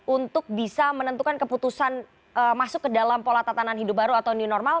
untuk bisa menentukan keputusan masuk ke dalam pola tatanan hidup baru atau new normal